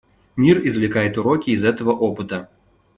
Мир извлекает уроки из этого опыта.